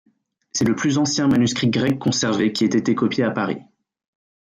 C'est le plus ancien manuscrit grec conservé qui ait été copié à Paris.